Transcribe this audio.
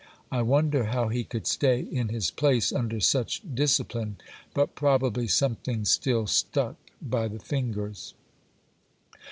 I wonder how he could stay in his place under such discipline ; but probably something still stuck by the fingers.